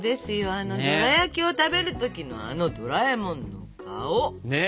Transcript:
あのドラやきを食べる時のあのドラえもんの顔。ね。